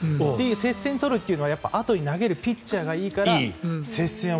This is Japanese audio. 接戦を取るというのはやっぱりあとに投げるピッチャーがいいから接戦を